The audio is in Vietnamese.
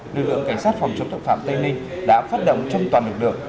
lực lượng cảnh sát phòng chống tội phạm tây ninh đã phát động trong toàn lực lượng